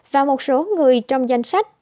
và một số người trong danh sách